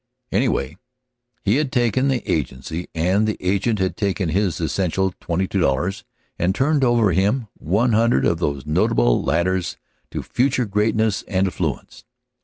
Anyway, he had taken the agency, and the agent had taken his essential twenty two dollars and turned over to him one hundred of those notable ladders to future greatness and affluence.